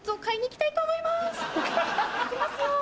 行きますよ。